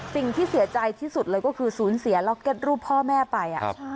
สิ่งที่เสียใจที่สุดเลยก็คือศูนย์เสียล็อกเก็ตรูปพ่อแม่ไป